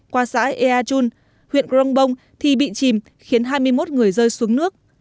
qua xã eajun huyện krong bong thì bị chìm khiến hai mươi một người rơi xuống nước